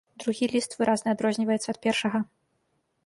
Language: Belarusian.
Другі ліст выразна адрозніваецца ад першага.